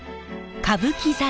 歌舞伎座